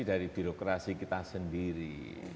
dari birokrasi kita sendiri